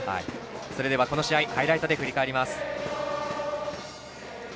それでは、この試合ハイライトで振り返ります。